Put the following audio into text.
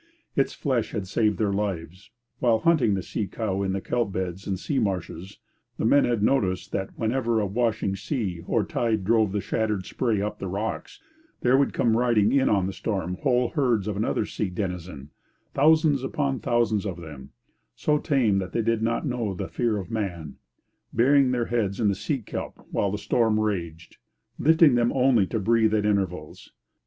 Its flesh had saved their lives. While hunting the sea cow in the kelp beds and sea marshes the men had noticed that whenever a swashing sea or tide drove the shattering spray up the rocks, there would come riding in on the storm whole herds of another sea denizen thousands upon thousands of them, so tame that they did not know the fear of man, burying their heads in the sea kelp while the storm raged, lifting them only to breathe at intervals.